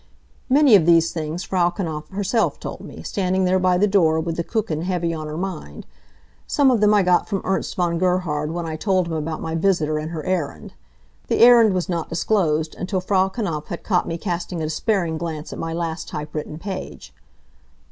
Many of these things Frau Knapf herself told me, standing there by the door with the Kuchen heavy on her mind. Some of them I got from Ernst von Gerhard when I told him about my visitor and her errand. The errand was not disclosed until Frau Knapf had caught me casting a despairing glance at my last typewritten page.